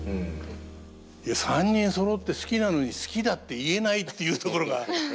いや３人そろって好きなのに「好きだ」って言えないっていうところが。